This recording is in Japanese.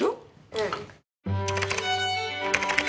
うん。